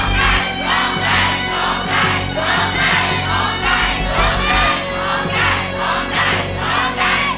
เพลงที่สองครับ